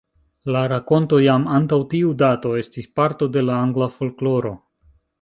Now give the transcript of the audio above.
La rakonto, jam antaŭ tiu dato, estis parto de la angla folkloro.